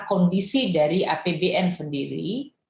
kondisi dari apbn sendiri